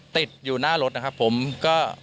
ติดอยู่หน้ารถนะครับผมก็